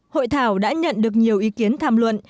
hội thảo đã nhận được nhiều ý kiến tham luận